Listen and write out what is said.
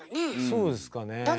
そうですかねえ。